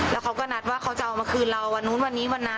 แล้วเขาก็นัดว่าเขาจะเอามาคืนเราวันนู้นวันนี้วันนั้น